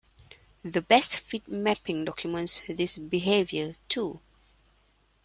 The "best fit" mapping documents this behavior, too.